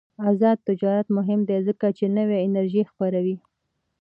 آزاد تجارت مهم دی ځکه چې نوې انرژي خپروي.